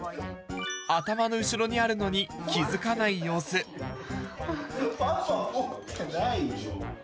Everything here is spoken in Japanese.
頭の後ろにあるのに、気付かないパパ持ってないよ。